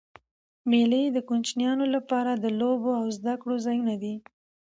مېلې د کوچنيانو له پاره د لوبو او زدهکړي ځایونه دي.